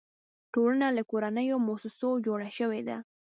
ټولنه له کورنیو او مؤسسو جوړه شوې ده.